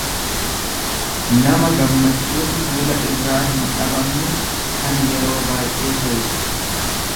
namagammachuun fuula irraa hindhabamne, kan yeroo baay'ee seequ.